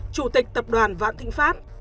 chủ tịch tập đoàn vạn thịnh pháp